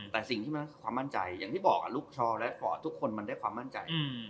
แต่สิ่งที่มันคือความมั่นใจอย่างที่บอกลูกชอและฟอร์ตทุกคนมันได้ความมั่นใจ